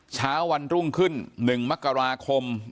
เช้าวันรุ่งขึ้น๑มกราคม